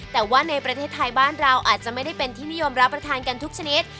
แต่ว่าในประเทศไทยบ้านเราอาจจะไม่ได้เป็นที่นิยมรับประทานกันทุกชนิด